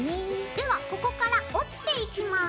ではここから折っていきます。